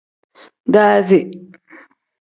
Daazi.